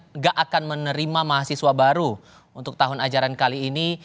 tidak akan menerima mahasiswa baru untuk tahun ajaran kali ini